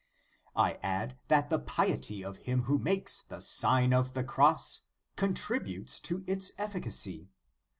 I add, that the piety of him who makes the Sign of the Cross contributes to its efficacy.